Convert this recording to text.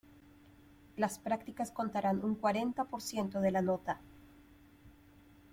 Las prácticas contarán un cuarenta por ciento de la nota.